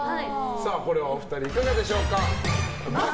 お二人、いかがでしょうか。